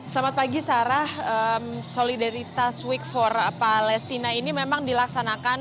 selamat pagi sarah solidaritas week for palestina ini memang dilaksanakan